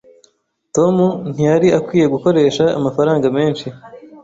Tom ntiyari akwiye gukoresha amafaranga menshi.